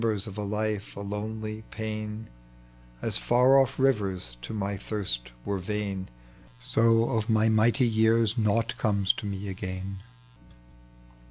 The emtiers of a life, a londy pain ; As far off rivers to my tiiirat were Tain, So of my mighty years nought comes to me again.